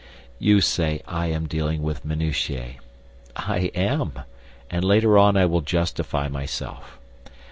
You say I am dealing with minutiae. I am. And later on I will justify myself.